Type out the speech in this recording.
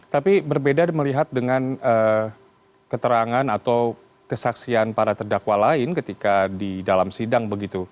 tapi berbeda melihat dengan keterangan atau kesaksian para terdakwa lain ketika di dalam sidang begitu